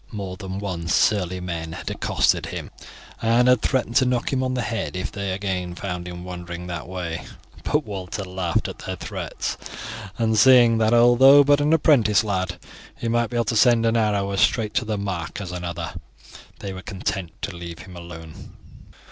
More than once surly men had accosted him, and had threatened to knock him on the head if they again found him wandering that way; but Walter laughed at their threats, and seeing, that though but an apprentice lad, he might be able to send an arrow as straight to the mark as another, they were content to leave him alone.